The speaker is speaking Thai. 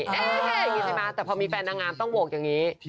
อย่างนี้ใช่ไหมแต่พอมีแฟนนางงามต้องโหวกอย่างนี้